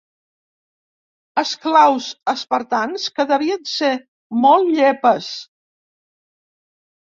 Esclaus espartans que devien ser molt llepes.